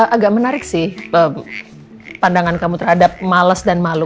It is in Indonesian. agak menarik sih pandangan kamu terhadap males dan malu